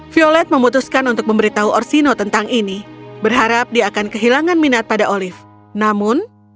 violet memutuskan untuk memberitahu orsino tentang ini berharap dia akan kehilangan minat pada olive namun